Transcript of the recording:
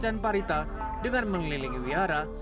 dan menjalankan perintah dengan mengelilingi wiara